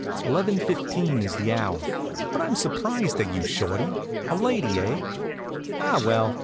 Eleven fifteen is the hour. But I'm surprised at you, Shorty. A lady, eh? Ah, well!